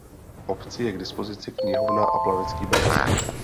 V obci je k dispozici knihovna a plavecký bazén.